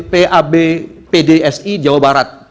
pab pdsi jawa barat